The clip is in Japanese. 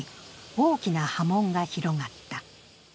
大きな波紋が広がった。